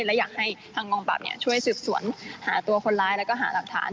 และอยากให้ทางกองปราบช่วยสืบสวนหาตัวคนร้ายแล้วก็หาหลักฐาน